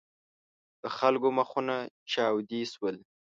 د خلکو مخونه چاودې شول.